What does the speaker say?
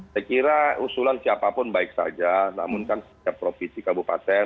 saya kira usulan siapapun baik saja namun kan setiap provinsi kabupaten